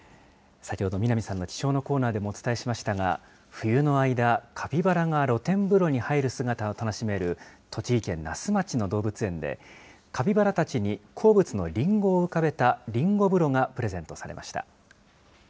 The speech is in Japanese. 先ほど南さんの気象のコーナーでもお伝えしましたが、冬の間、カピバラが露天風呂に入る姿を楽しめる栃木県那須町の動物園で、カピバラたちに好物のりんごを浮かべたりんご風呂がプレゼントされました。